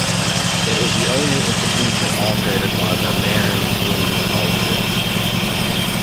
It is the only institution operated by the Marin Community College District.